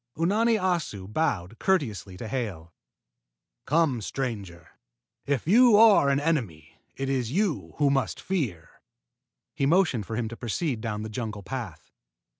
Unani Assu bowed courteously to Hale. "Come, stranger. If you are an enemy, it is you who must fear." He motioned for him to proceed down the jungle path.